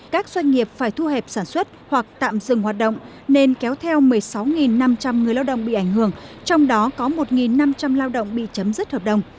các doanh nghiệp phải thu hẹp sản xuất hoặc tạm dừng hoạt động nên kéo theo một mươi sáu năm trăm linh người lao động bị ảnh hưởng trong đó có một năm trăm linh lao động bị chấm dứt hợp đồng